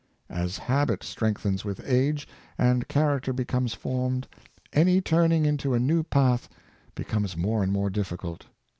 As habit strengthens with age, and character becomes formed, any turning into a new path becomes more and more difficult.